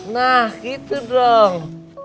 nah gitu dong